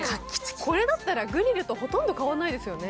これだったらグリルとほとんど変わらないですよね。